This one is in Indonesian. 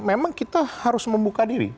memang kita harus membuka diri